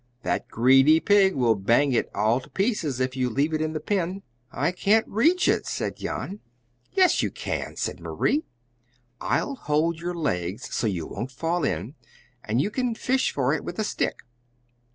"That greedy pig will bang it all to pieces, if you leave it in the pen." "I can't reach it," said Jan. "Yes, you can," said Marie. "I'll hold your legs so you won't fall in, and you can fish for it with a stick."